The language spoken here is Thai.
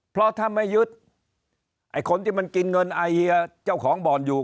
เพราะถ้าไม่ยึดไอ้คนที่มันกินเงินไอเฮียเจ้าของบ่อนอยู่